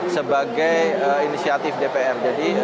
sebagai inisiatif dpr